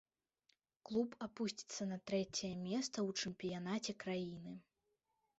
Клуб апусціцца на трэцяе месца ў чэмпіянаце краіны.